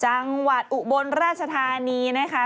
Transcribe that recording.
จังหวัดอุบลราชธานีนะคะ